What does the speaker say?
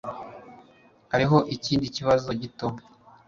Hariho ikindi kibazo gito